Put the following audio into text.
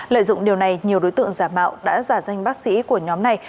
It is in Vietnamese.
lợi dụng điều này nhiều đối tượng giả mạo đã giả danh bác sĩ của nhóm này